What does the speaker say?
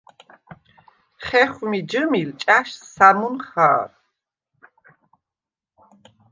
ხეხუ̂მი ჯჷმილ ჭა̈შს სა̈მუნ ხა̄რ.